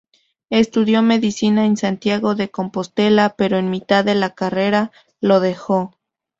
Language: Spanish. Estudió Medicina en Santiago de Compostela, pero en mitad de la carrera lo dejó.